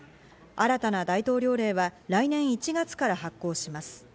新たな大統領令は来年１月から発効します。